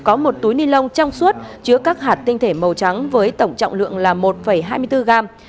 có một túi ni lông trong suốt chứa các hạt tinh thể màu trắng với tổng trọng lượng là một hai mươi bốn gram